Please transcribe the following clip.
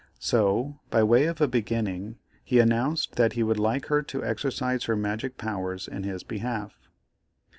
So, by way of a beginning, he announced that he would like her to exercise her magic powers in his behalf.